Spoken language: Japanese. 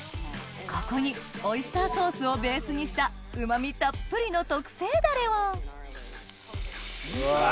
ここにオイスターソースをベースにしたうま味たっぷりの特製ダレをうわ。